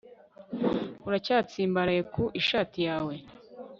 uracyatsimbaraye ku ishati yawe